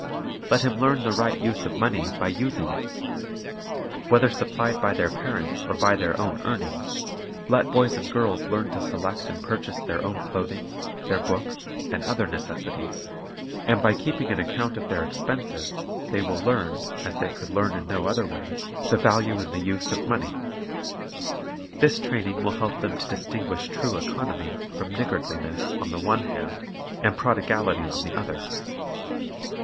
Let him learn the right use of money by using it. Whether supplied by their parents or by their own Accounts earnings, let boys and girls learn to select and pur chase their own clothing, their books, and other neces sities; and by keeping an account of their expenses . they will learn, as they could learn in no other way, the value and the use of money. This training will help them to distinguish true economy from niggardli ness on the one hand and prodigality on the other.